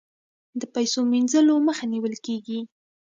د پیسو مینځلو مخه نیول کیږي